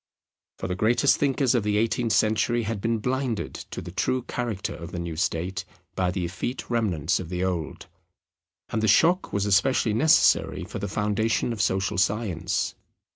For the greatest thinkers of the eighteenth century had been blinded to the true character of the new state by the effete remnants of the old. And the shock was especially necessary for the foundation of social science.